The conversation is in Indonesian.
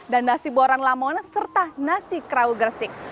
dan nasi boran lamones serta nasi kerau gersik